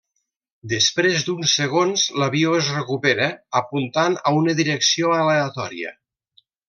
Després d'uns segons, l'avió es recupera, apuntant a una direcció aleatòria.